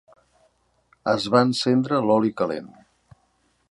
Es va encendre l'oli calent.